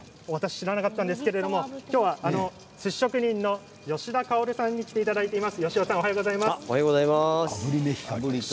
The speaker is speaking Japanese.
私は知らなかったんですが今日はすし職人の吉田さんに来ていただいています。